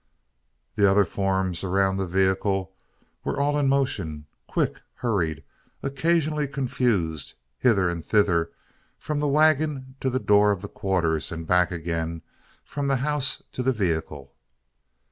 The other forms around the vehicle were all in motion quick, hurried, occasionally confused hither and thither, from the waggon to the door of the quarters, and back again from the house to the vehicle.